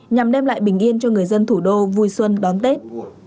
nhằm đem lại bình yên cho người dân thủ đô vui xuân đón tết